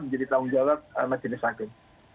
jadi tanggung jawab majelis hakim